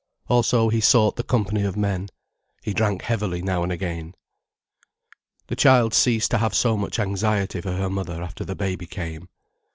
Also he sought the company of men, he drank heavily now and again. The child ceased to have so much anxiety for her mother after the baby came.